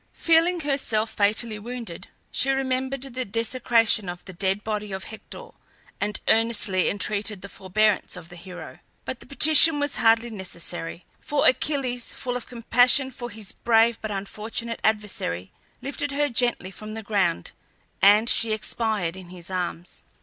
Feeling herself fatally wounded, she remembered the desecration of the dead body of Hector, and earnestly entreated the forbearance of the hero. But the petition was hardly necessary, for Achilles, full of compassion for his brave but unfortunate adversary, lifted her gently from the ground, and she expired in his arms.